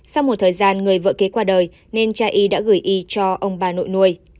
sau một thời gian người vợ kế qua đời nên cha y đã gửi y cho ông bà nội nuôi